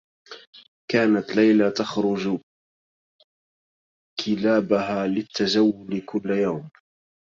كانت ليلى تخرج كلابها للتّجوّل كلّ يوم.